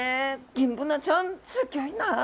ギンブナちゃんすギョいなあ。